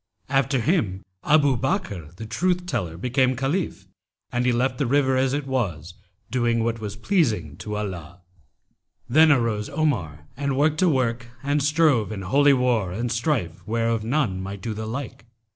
After him Abu Bakr[FN#287] the Truth teller became Caliph and he left the river as it was, doing what was pleasing to Allah. Then arose Omar and worked a work and strove in holy war and strife where of none might do the like.